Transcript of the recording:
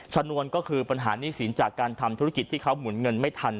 นวนก็คือปัญหาหนี้สินจากการทำธุรกิจที่เขาหมุนเงินไม่ทัน